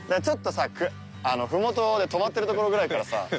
ちょっとさふもとで止まってる所ぐらいからさ。